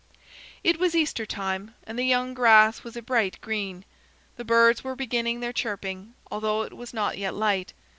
It was Easter time and the young grass was a bright green. The birds were beginning their chirping, although it was not yet light.